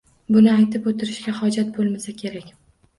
Buni aytib oʻtirishga hojat boʻlmasa kerak.